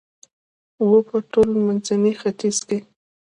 و په ټول منځني ختیځ کې